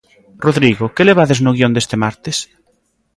Rodrigo, que levades no guión deste martes?